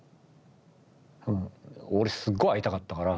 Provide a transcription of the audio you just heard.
俺すっごい会いたかったから。